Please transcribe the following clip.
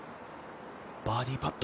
バーディーパット。